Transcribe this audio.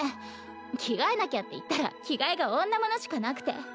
着替えなきゃっていったら着替えが女物しかなくて。